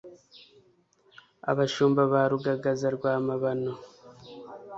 abashumba ba rugagaza rwa mabano